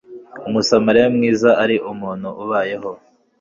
Umusamariya mwiza ari umuntu ubayeho